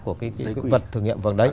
của cái vật thử nghiệm